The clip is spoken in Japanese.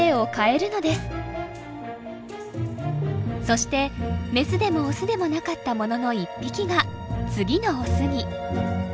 そしてメスでもオスでもなかったものの一匹が次のオスに。